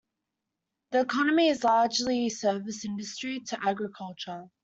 The economy is largely service industry to agriculture.